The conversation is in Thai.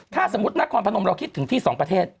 ถ้าสมมุตินครพนมเราคิดถึงที่สองประเทศ